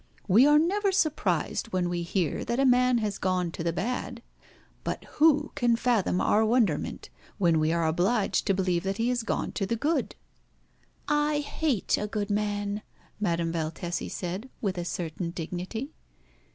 We are never surprised when we hear that a man has gone to the bad; but who can fathom our wonderment when we are obliged to believe that he is gone to the good?" "I hate a good man," Madame Valtesi said, with a certain dignity.